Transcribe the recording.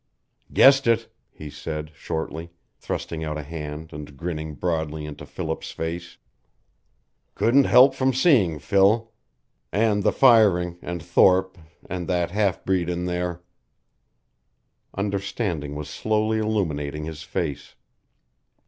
"Guessed it," he said, shortly, thrusting out a hand and grinning broadly into Philip's face "Couldn't help from seeing, Phil. And the firing, and Thorpe, and that half breed in there " Understanding was slowly illuminating his face.